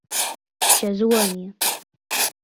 Jesuânia